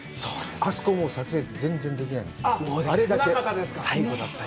あそこは、撮影、もう全然できないんですよ。